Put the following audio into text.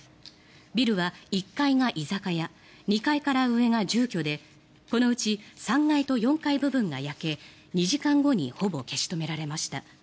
ビルは１階が居酒屋２階から上が住居でこのうち３階と４階部分が焼け２時間後にほぼ消し止められました。